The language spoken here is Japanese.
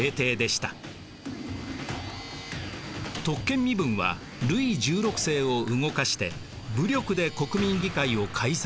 特権身分はルイ１６世を動かして武力で国民議会を解散させようとします。